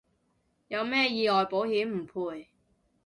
有咩意外保險唔賠